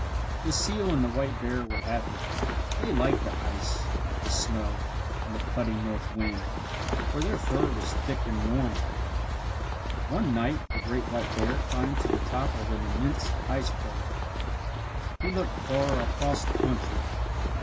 The seal and the white bear were happy. They liked the ice, the snow, and the cutting north wind, for their fur was thick and warm. One night the great white bear climbed to the top of an immense iceberg. He looked far across the country.